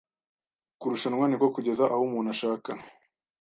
Kurushanwa niko kugeza aho umuntu ashaka